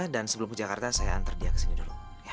dan sebelum ke jakarta saya antar dia ke sini dulu